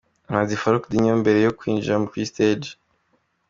Umuhanzi Farook Dinho mbere yo kwinjira kuri stage.